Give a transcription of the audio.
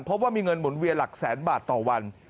เพราะว่ามีเงินหมุนเวียนหลักแสนบาทต่อวัน